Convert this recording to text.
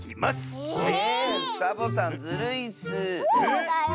そうだよ。